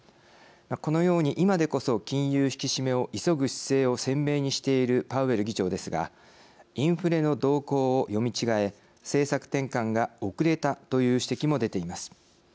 このように、今でこそ金融引き締めを急ぐ姿勢を鮮明にしているパウエル議長ですがインフレの動向を読み違え政策転換が遅れたという指摘も出ています。